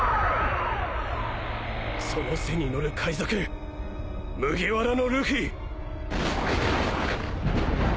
その背に乗る海賊麦わらのルフィ！